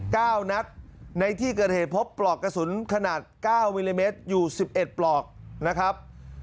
เก้านัดในที่เกิดเหตุพบปลอกกระสุนขนาดเก้ามิลลิเมตรอยู่สิบเอ็ดปลอกนะครับ